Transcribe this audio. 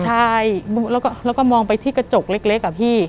ใช่แล้วก็แล้วก็มองไปที่กระจกเล็กเล็กอ่ะพี่